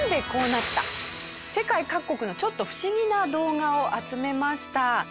世界各国のちょっと不思議な動画を集めました。